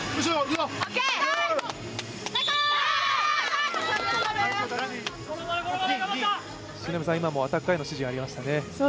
今、アタッカーへの指示がありましたね。